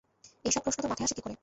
এইসব প্রশ্ন তোর মাথায় আসে কী করে?